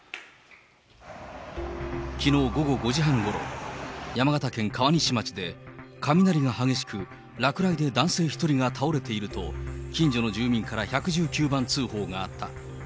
きのう午後５時半ごろ、山形県川西町で、雷が激しく、落雷で男性１人が倒れていると、近所の住民から１１９番通報があった。